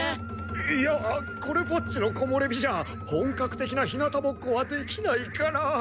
いやこれぽっちの木もれ日じゃあ本格的な日向ぼっこはできないから。